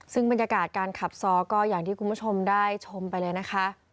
ซึ่งบรรยากาศการขับซ้อก็อย่างที่คุณผู้ชมได้ชมไปเลยนะคะ